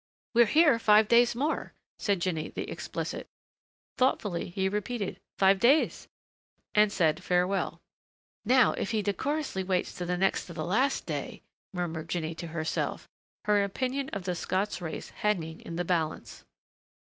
"We're here five days more," said Jinny, the explicit. Thoughtfully he repeated, "Five days," and said farewell. "Now if he decorously waits to the next to the last day !" murmured Jinny to herself, her opinion of the Scots race hanging in the balance.